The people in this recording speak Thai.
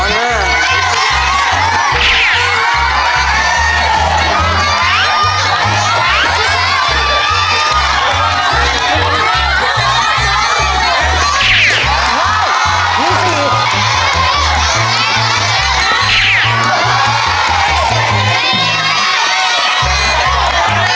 บอลเมื่อ